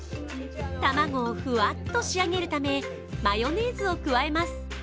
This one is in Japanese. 卵をふわっと仕上げるため、マヨネーズを加えます。